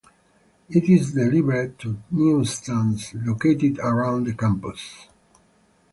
It is delivered to newsstands located around the campus.